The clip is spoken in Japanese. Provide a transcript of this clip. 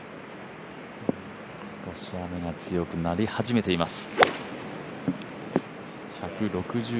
少し雨が強くなり始めています。